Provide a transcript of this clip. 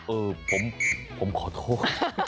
เออผมขอโทษ